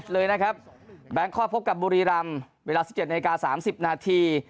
เลยนะครับแบงค์คอพบกับบุรีรำเวลาสิบเจ็ดนาทีนาที